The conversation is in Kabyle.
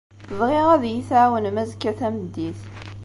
Bɣiɣ ad iyi-tɛawnem azekka tameddit.